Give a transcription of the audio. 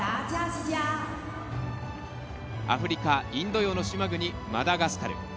アフリカ、インド洋の島国マダガスカル。